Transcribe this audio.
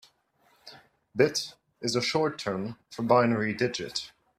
Bit is the short term for binary digit.